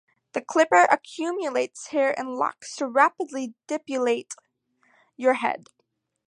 The clipper accumulates hair in locks to rapidly depilate your head.